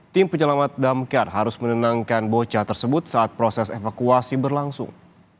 tim penyelamat damkar harus menenangkan bocah tersebut saat proses evakuasi berlangsung